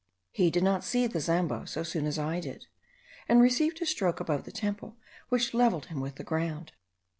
He did not see the Zambo so soon as I did, and received a stroke above the temple, which levelled him with the ground.